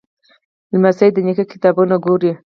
لمسی د نیکه کتابونه ګوري.